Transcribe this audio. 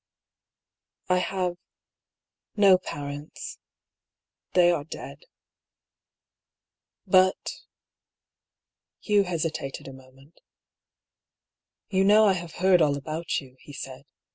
I have no parents. They are dead." " But " Hugh hesitated a moment. " You know I have heard all about you," he said.